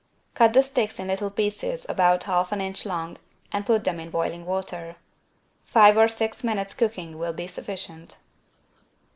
Cut the sticks in little pieces about half an inch long and put them in boiling water. Five or six minutes' cooking will be sufficient.